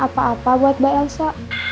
apa apa buat mbak elsa